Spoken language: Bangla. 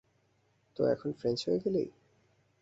তো এখন ফ্রেঞ্চ হয়ে গেলি?